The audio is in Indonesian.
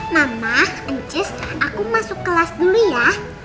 mama encik aku masuk kelas dulu ya